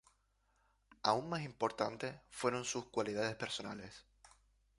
Aún más importantes fueron sus cualidades personales.